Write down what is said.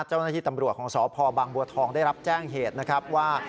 เจ้าหน้าที่ตำรวจของสพบางบัวทองได้รับแจ้งเหตุนะครับว่า